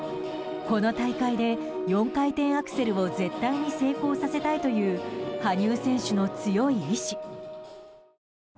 この大会で、４回転アクセルを絶対に成功させたいという羽生選手の強い意志。